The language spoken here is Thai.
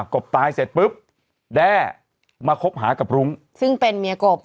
บตายเสร็จปุ๊บแด้มาคบหากับรุ้งซึ่งเป็นเมียกบ